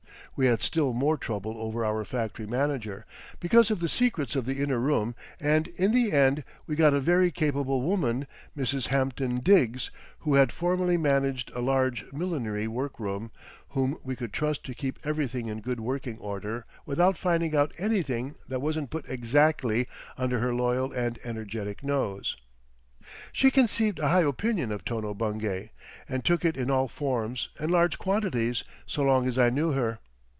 We had still more trouble over our factory manager, because of the secrets of the inner room, and in the end we got a very capable woman, Mrs. Hampton Diggs, who had formerly managed a large millinery workroom, whom we could trust to keep everything in good working order without finding out anything that wasn't put exactly under her loyal and energetic nose. She conceived a high opinion of Tono Bungay and took it in all forms and large quantities so long as I knew her.